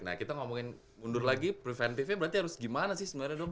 nah kita ngomongin mundur lagi preventifnya berarti harus gimana sih sebenarnya dok